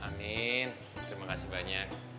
amin terima kasih banyak